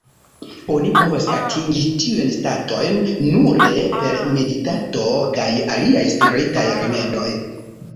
Oni povas atingi tiujn statojn nure per meditado kaj aliaj spiritaj rimedoj.